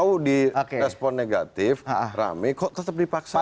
sudah tahu di respon negatif rame kok tetap dipaksakan